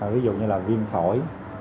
ví dụ như là viêm thổi